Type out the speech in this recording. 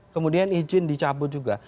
kemudian izin dicabut juga